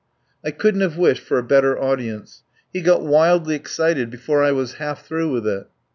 I couldn't have wished for a better audi ence. He got wildly excited before I was half ii5 THE POWER HOUSE through with it.